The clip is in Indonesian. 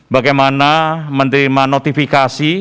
bagaimana menerima notifikasi